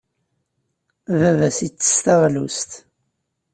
Baba-s ittess taɣlust?